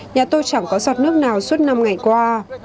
nhà tôi chẳng có giọt nước nào suốt năm ngày qua